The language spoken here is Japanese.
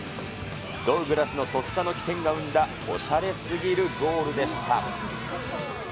ドウグラスのとっさの機転が生んだおしゃれすぎるゴールでした。